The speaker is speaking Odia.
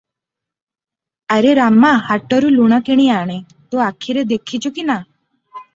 ଆରେ ରାମା ହାଟରୁ ଲୁଣ କିଣି ଆଣେ, ତୁ ଆଖିରେ ଦେଖିଛୁ କି ନା?